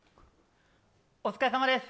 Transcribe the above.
お疲れさまです。